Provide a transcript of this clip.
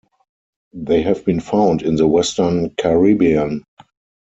They have been found in the western Caribbean.